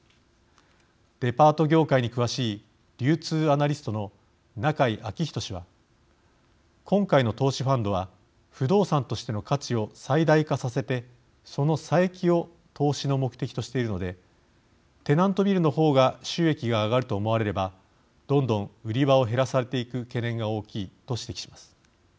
デパート業界に詳しい流通アナリストの中井彰人氏は今回の投資ファンドは不動産としての価値を最大化させてその差益を投資の目的としているのでテナントビルの方が収益が上がると思われればどんどん売り場を減らされていく懸念が大きいと指摘します。